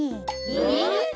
えっ？